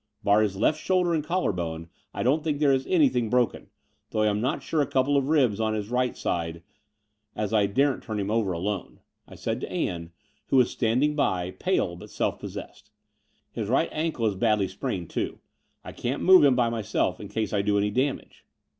Bar his left shoulder and collar bone, I don't think there is anything broken, though I am not sure of a couple of ribs on his right side, as I daren't turn him over alone," I said to Ann, who was standing by, pale but self possessed. His right ankle is badly sprained, too. I can't move him by myself in case I do any damage."